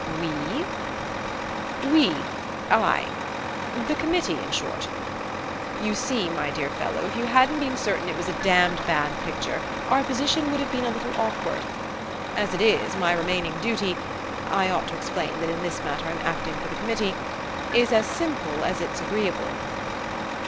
"We?" "We I the committee, in short. You see, my dear fellow, if you hadn't been certain it was a damned bad picture our position would have been a little awkward. As it is, my remaining duty I ought to explain that in this matter I'm acting for the committee is as simple as it's agreeable."